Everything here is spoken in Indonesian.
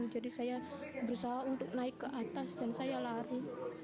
jadi saya berusaha untuk naik ke atas dan saya lari